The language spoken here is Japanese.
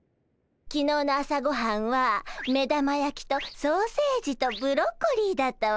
きのうの朝ごはんは目玉焼きとソーセージとブロッコリーだったわ。